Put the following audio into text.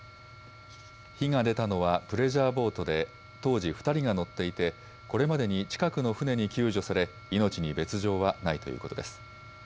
火が出たのはプレジャーボートで、当時２人が乗っていて、これまでに近くの船に救助され、命に別状はないということです。